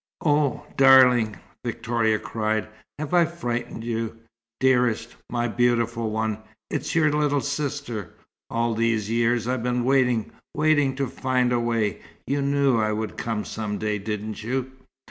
"Oh, darling!" Victoria cried. "Have I frightened you? Dearest my beautiful one, it's your little sister. All these years I've been waiting waiting to find a way. You knew I would come some day, didn't you?"